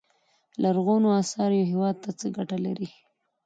لرغونو اثار یو هیواد ته څه ګټه لري.